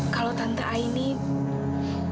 kalau tante aisyah